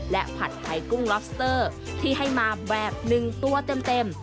และผัดไทยกุ้งล็อบสเตอร์ที่ให้มาแบบ๑ตัวเต็ม